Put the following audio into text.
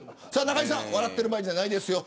中居さん笑ってる場合じゃないですよ。